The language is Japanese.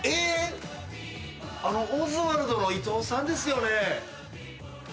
あのオズワルドの伊藤さんですよね？